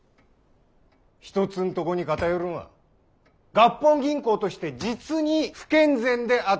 一つんとこに偏るんは合本銀行として実に不健全であっとである。